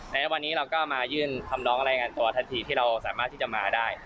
ในวันนี้เราก็มายื่นคำร้องรายงานตัวทันทีที่เราสามารถที่จะมาได้